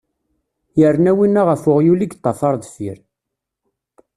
Yerna winna ɣef uɣyul i yeṭṭafar deffir.